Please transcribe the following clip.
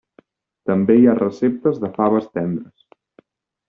També hi ha receptes de faves tendres.